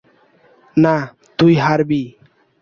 না, তুই হারবি!